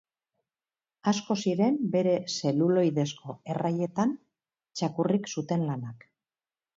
Asko ziren bere zeluloidezko erraietan txakurrik zuten lanak.